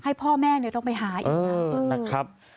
ให้พ่อแม่ต้องไปหาอีก